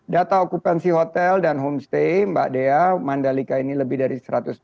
data okupansi hotel dan homestay mbak dea mandalika ini lebih dari seratus